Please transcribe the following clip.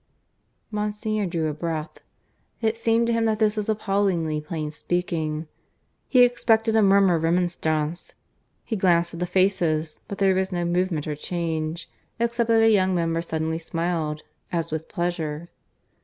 ..." (Monsignor drew a breath. It seemed to him that this was appallingly plain speaking. He expected a murmur of remonstrance. He glanced at the faces, but there was no movement or change, except that a young member suddenly smiled, as with pleasure.)